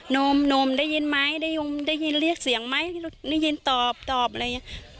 นมนมได้ยินไหมได้ยินเรียกเสียงไหมได้ยินตอบตอบอะไรอย่างนี้